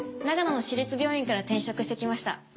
長野の私立病院から転職してきました。